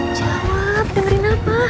jawab dengerin apa